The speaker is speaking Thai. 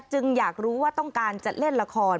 อยากรู้ว่าต้องการจะเล่นละคร